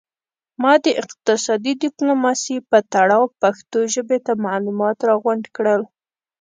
ما د اقتصادي ډیپلوماسي په تړاو پښتو ژبې ته معلومات را غونډ کړل